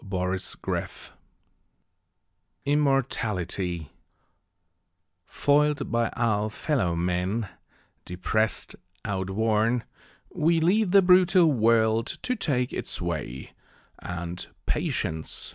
Matthew Arnold Immortality FOIL'D by our fellow men, depress'd, outworn, We leave the brutal world to take its way, And, Patience!